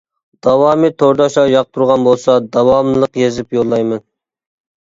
داۋامى تورداشلار ياقتۇرغان بولسا داۋاملىق يېزىپ يوللايمەن.